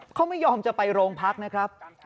เขาไม่ยอมจะไปโรงพักนะครับ